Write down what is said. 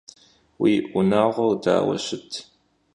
Vui vunağuer daue şıt?